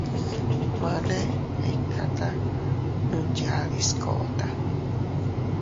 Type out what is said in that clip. Mane iʼkata nunyadis kota.